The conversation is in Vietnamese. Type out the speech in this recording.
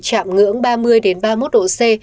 chạm ngưỡng ba mươi ba mươi một độ c